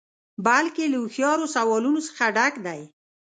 بلکې له هوښیارو سوالونو څخه ډک دی.